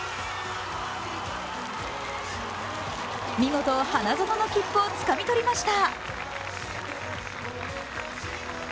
見事、花園の切符をつかみ取りました。